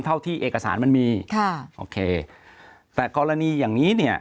เท่าที่เอกสารมันมีค่ะโอเคแต่กรณีอย่างนี้เนี่ย